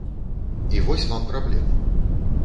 І вось вам праблема.